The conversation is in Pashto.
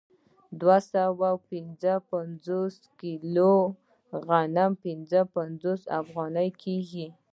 دوه سوه پنځه پنځوس کیلو غنم پنځه پنځوس افغانۍ کېږي